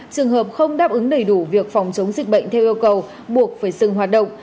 trường hợp không đáp ứng đầy đủ việc phòng chống dịch bệnh theo yêu cầu buộc phải dừng hoạt động